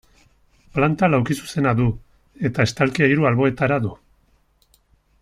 Planta laukizuzena du eta estalkia hiru alboetara du.